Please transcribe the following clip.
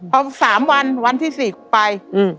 พอ๓วันวันที่๔ไป